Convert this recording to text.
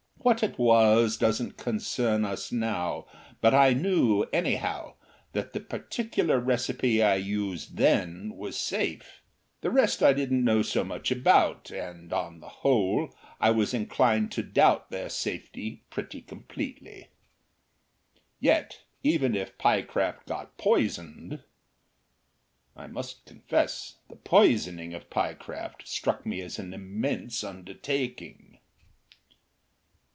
What it was doesn't concern us now, but I knew, anyhow, that the particular recipe I used then was safe. The rest I didn't know so much about, and, on the whole, I was inclined to doubt their safety pretty completely. Yet even if Pyecraft got poisoned I must confess the poisoning of Pyecraft struck me as an immense undertaking.